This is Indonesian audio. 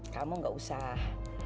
kamu gak usah